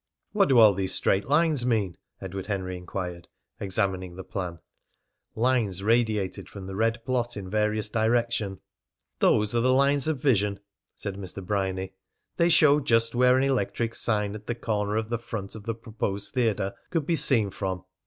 "What do all these straight lines mean?" Edward Henry inquired, examining the plan. Lines radiated from the red plot in various directions. "Those are the lines of vision," said Mr. Bryany. "They show just where an electric sign at the corner of the front of the proposed theatre could be seen from.